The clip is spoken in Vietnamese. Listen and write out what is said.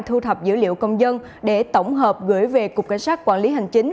thu thập dữ liệu công dân để tổng hợp gửi về cục cảnh sát quản lý hành chính